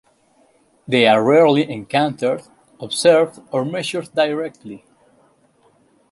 They are rarely encountered, observed or measured directly.